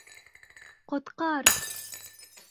Ҡот-ҡа-ар!